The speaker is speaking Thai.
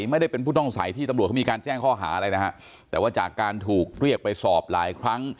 ไม่ได้เป็นผู้ต้องสัยที่ตำรวจเขามีการแจ้งข้อหาอะไรนะฮะแต่ว่าจากการถูกเรียกไปสอบหลายครั้ง